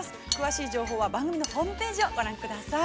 詳しい情報は、番組のホームページをご覧ください。